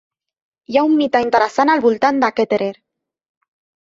Hi ha un mite interessant al voltant de Ketterer.